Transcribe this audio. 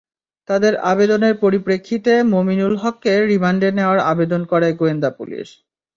তাদের আবেদনের পরিপ্রেক্ষিতে মোমিনুল হককে রিমান্ডে নেওয়ার আবেদন করে গোয়েন্দা পুলিশ।